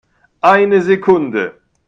Eine Sekunde!